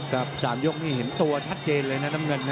๓ยกนี่เห็นตัวชัดเจนเลยนะน้ำเงินนะ